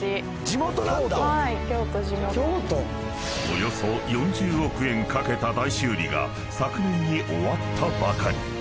［およそ４０億円かけた大修理が昨年に終わったばかり］